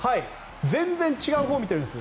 全然違うほうを見てるんです。